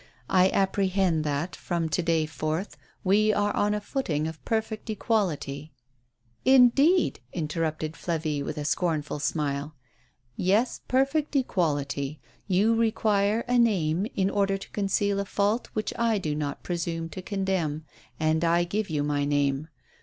I apprehend that, from to day forth, we are on a footing of perfect equality." " Indeed !" interrupted Flavie, with a scornful smile. "Yes, perfect equality. You require a name, in order to conceal a fault which I do not presume to condemn, and I give you my name.